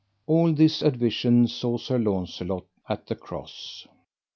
All this advision saw Sir Launcelot at the Cross.